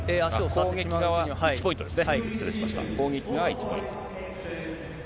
攻撃が１ポイントですね。